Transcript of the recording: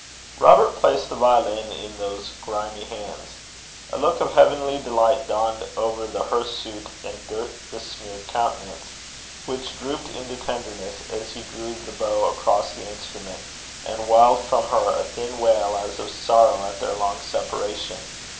Robert placed the violin in those grimy hands. A look of heavenly delight dawned over the hirsute and dirt besmeared countenance, which drooped into tenderness as he drew the bow across the instrument, and wiled from her a thin wail as of sorrow at their long separation.